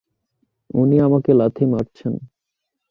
উনি আমাকে লাথি মারছেন!